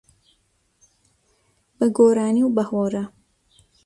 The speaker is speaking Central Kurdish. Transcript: بە گۆرانی و بە هۆرە